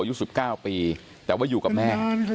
ยุงสุด๙ปีแต่อยู่กับแม่